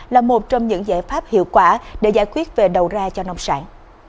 là một trong những giải pháp hiệu quả để giải quyết về đầu ra cho nông sản